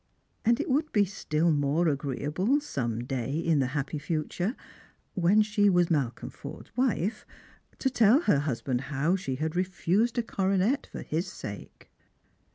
And it would be still more agreeable some day in the happy future, when she was Malcolm Forde's wife, to tell her husband how she had re fused a coronet for his sake.